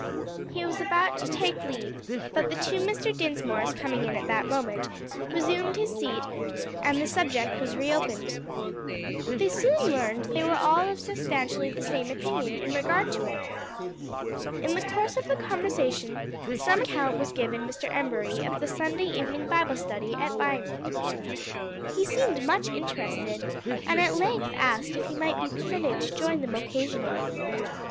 He was about to take leave, but, the two Mr. Dinsmores coming in at that moment, resumed his seat, and the subject was reopened. They soon learned that they were all of substantially the same opinion in regard to it. In the course of the conversation some account was given Mr. Embury of the Sunday evening Bible study at Viamede. He seemed much interested, and at length asked if he might be permitted to join them occasionally.